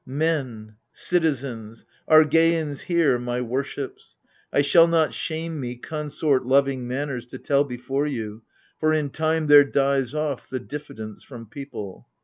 Men, citizens, Argeians here, my worships ! I shall not shame me, consort loving manners To tell before you : for in time there dies off The diffidence from people.